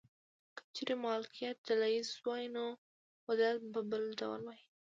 که چیرې مالکیت ډله ایز وای نو وضعیت به بل ډول و.